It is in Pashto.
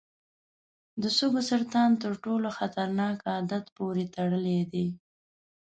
د سږو سرطان تر ټولو خطرناک عادت پورې تړلی دی.